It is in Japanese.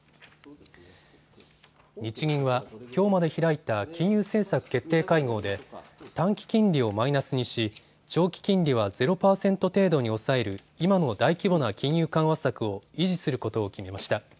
日銀はきょうまで開いた金融政策決定会合で短期金利をマイナスにし、長期金利はゼロ％程度に抑える今の大規模な金融緩和策を維持することを決めました。